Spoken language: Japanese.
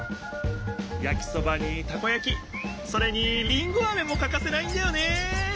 やきそばにたこやきそれにりんごあめもかかせないんだよね。